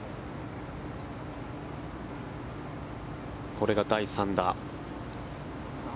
これが第３打。